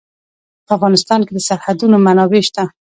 په افغانستان کې د سرحدونه منابع شته.